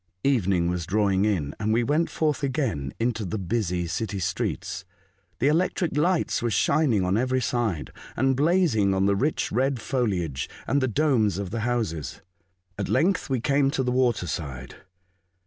Evening was drawing in, and we went forth again into the busy city streets. The electric lights were shining on every side, and blazing on the rich red foliage and the domes of the houses. At length we came to the water side.